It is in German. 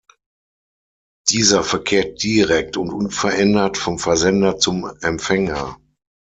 Dieser verkehrt direkt und unverändert vom Versender zum Empfänger.